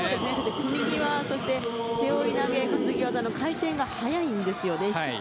組み際、そして背負い投げ担ぎ技の回転が速いんですよね。